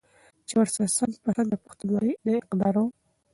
چې ورسره څنګ په څنګ د پښتونولۍ د اقدارو